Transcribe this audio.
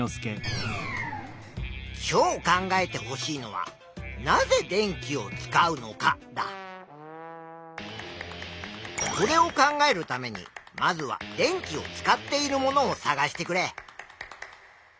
今日考えてほしいのはそれを考えるためにまずは「電気を使っているもの」を探してくれ。